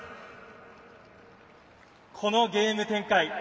このゲーム展開